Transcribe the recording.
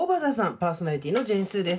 パーソナリティーのジェーン・スーです。